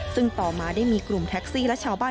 ซึ่งต่อมาได้มีกลุ่มแท็กซี่และชาวบ้าน